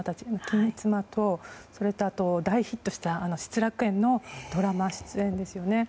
「金妻」とそれと大ヒットした「失楽園」のドラマ出演ですよね。